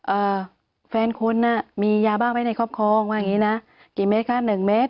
อ่าแฟนคุณน่ะมียาบ้าไว้ในครอบครองว่าอย่างงี้นะกี่เมตรคะหนึ่งเมตร